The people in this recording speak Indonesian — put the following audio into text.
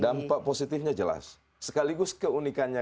dampak positifnya jelas sekaligus keunikannya